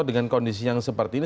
dengan kondisi yang seperti ini